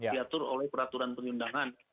diatur oleh peraturan perundangan